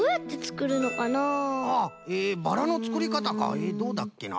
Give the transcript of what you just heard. えどうだっけな？